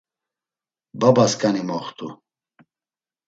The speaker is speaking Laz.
Babaskani moxtu.